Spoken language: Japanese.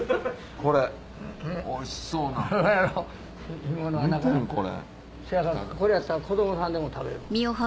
これやったら子どもさんでも食べる。